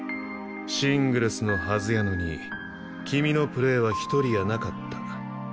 シングルスのはずやのに君のプレーは一人やなかった。